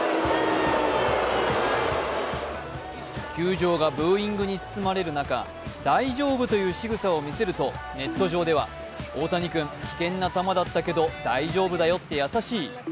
球場がブーイングに包まれる中大丈夫というしぐさを見せるとネット上では大谷君、危険な球だったけど大丈夫だよって優しい。